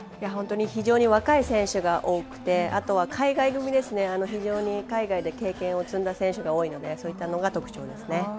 非常に若い選手が多くてあとは海外組、非常に海外で経験を積んだ選手が多いのでそこが特徴です。